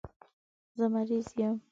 زه مریض یم